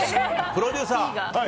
プロデューサー！